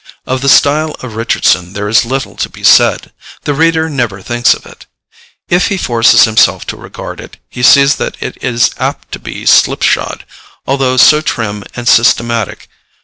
Of the style of Richardson there is little to be said; the reader never thinks of it. If he forces himself to regard it, he sees that it is apt to be slipshod, although so trim and systematic.